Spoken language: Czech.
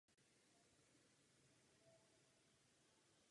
Jižně od města se nachází hřbitov Black Hills National Cemetery.